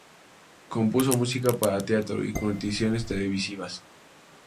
Compuso música para teatro y cortinas televisivas.